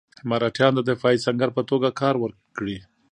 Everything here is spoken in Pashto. مرهټیان د دفاعي سنګر په توګه کار ورکړي.